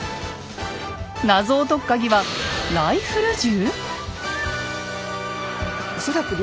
謎を解くカギはライフル銃？